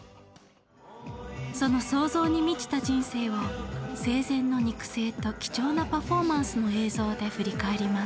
その創造に満ちた人生を生前の肉声と貴重なパフォーマンスの映像で振り返ります。